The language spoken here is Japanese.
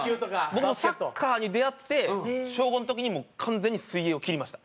僕もサッカーに出会って小５の時にもう完全に水泳を切りました。